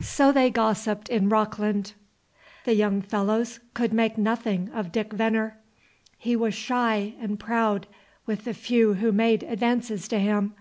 So they gossiped in Rockland. The young fellows could make nothing of Dick Venner. He was shy and proud with the few who made advances to him.